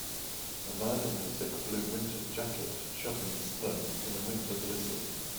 A man in a thick blue winter jacket shoveling snow in a winter blizzard.